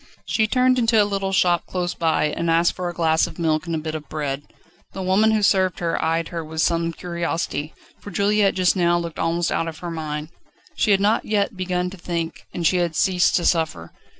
She turned into a little shop close by, and asked for a glass of milk and a bit of bread. The woman who served her eyed her with some curiosity, for Juliette just now looked almost out of her mind. She had not yet begun to think, and she had ceased to suffer.